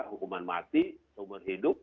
hukuman mati umur hidup